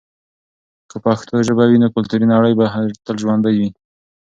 که پښتو ژبه وي، نو کلتوري نړی به تل ژوندي وي.